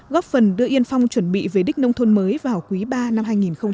góp phần đưa yên phong chuẩn bị về đích nông thôn mới vào quý ba năm hai nghìn hai mươi